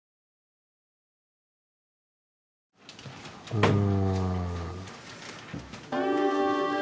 うん。